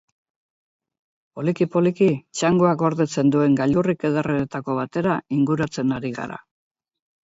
Poliki-poliki, txangoak gordetzen duen gailurrik ederrenetako batera inguratzen ari gara.